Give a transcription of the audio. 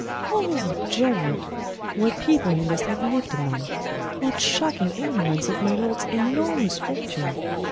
"Oh, Gerard, what people you must have lived among! What shocking ignorance of my lord's enormous fortune!